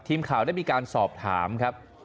ทีมข่าวได้มีการสอบถามครับ